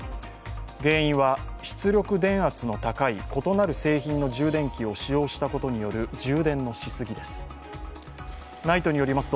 原因は出力電圧の高い異なる製品の充電器を使用したことによる充電のしすぎです。